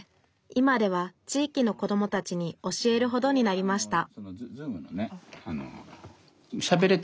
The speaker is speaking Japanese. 今では地域の子どもたちに教えるほどになりました